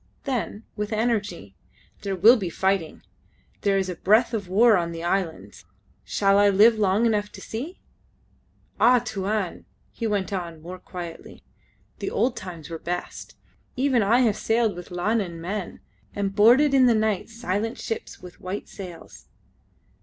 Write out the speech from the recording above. Then with energy: "There will be fighting. There is a breath of war on the islands. Shall I live long enough to see? ... Ah, Tuan!" he went on, more quietly, "the old times were best. Even I have sailed with Lanun men, and boarded in the night silent ships with white sails.